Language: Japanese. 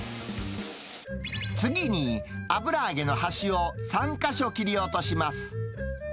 次に、油揚げの端を３か所切り落とします。